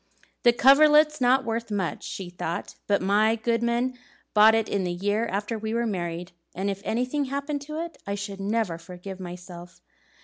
"The coverlet's not worth much," she thought; "but my goodman bought it the year after we were married, and if anything happened to it I should never forgive myself.